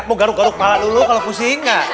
mau garuk garuk pala dulu kalau pusing